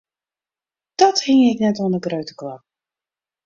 Dat hingje ik net oan 'e grutte klok.